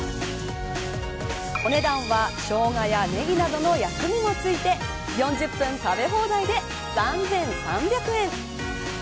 お値段はショウガやネギなどの薬味も付いて４０分食べ放題で３３００円。